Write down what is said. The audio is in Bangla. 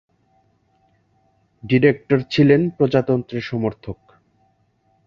ডিরেক্টর ছিলেন প্রজাতন্ত্রের সমর্থক।